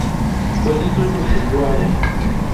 Pues eso es lo que yo hago".